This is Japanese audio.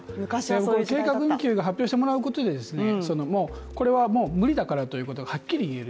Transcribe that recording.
こういう計画運休を発表してもらうことでこれはもう無理だからとはっきり言える。